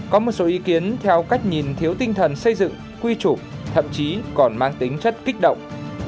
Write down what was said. có một số ý kiến theo cách nhìn thiếu tinh thần xây dựng quy chủ thậm chí còn mang tính chất kích động